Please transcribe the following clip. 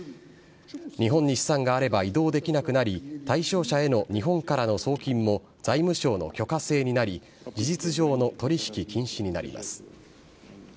日本に資産があれば、移動できなくなり、対象者への日本からの送金も財務省の許可制になり、事実上の取り引き禁止になります。